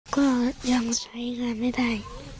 ก็ยังใช้งานไม่ได้